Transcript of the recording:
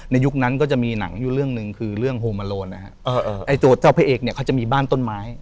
ยุคนั้นก็จะมีหนังอยู่เรื่องหนึ่งคือเรื่องโฮมาโลนนะฮะไอ้ตัวเจ้าพระเอกเนี่ยเขาจะมีบ้านต้นไม้